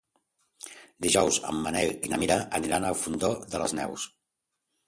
Dijous en Manel i na Mira aniran al Fondó de les Neus.